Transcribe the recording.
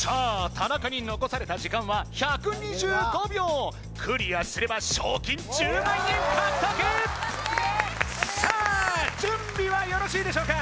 田中に残された時間は１２５秒クリアすれば賞金１０万円獲得さあ準備はよろしいでしょうか？